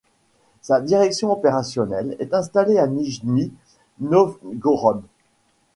Sa direction opérationnelle est installée à Nijni-Novgorod.